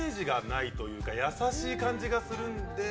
優しい感じがするんで。